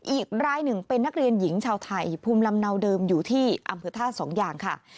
อีกรายหนึ่งเป็นนักเรียนหญิงชาวไทยภูมิลำเนาเดิมอยู่ที่อำเภอท่าสองอย่างค่ะ